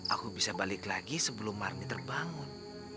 aku bisa balik lagi sebelum marni terbangun